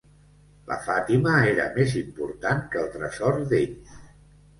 La Fatima era més important que el tresor d'ell.